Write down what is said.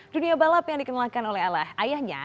dunia balap yang dikenalkan oleh ala ayahnya